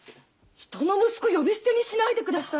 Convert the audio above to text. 人の息子呼び捨てにしないでください！